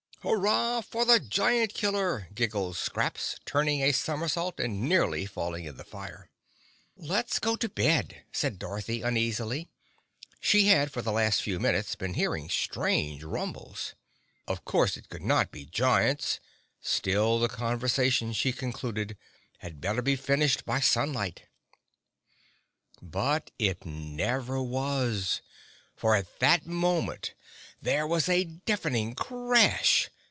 "Hurrah for the giant killer!" giggled Scraps, turning a somersault and nearly falling in the fire. "Let's go to bed!" said Dorothy uneasily. She had for the last few minutes been hearing strange rumbles. Of course it could not be giants; still the conversation, she concluded, had better be finished by sunlight. But it never was, for at that moment there was a deafening crash.